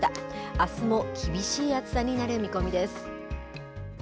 あすも厳しい暑さになる見込みです。